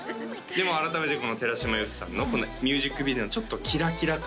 でも改めてこの寺嶋由芙さんのミュージックビデオのちょっとキラキラ感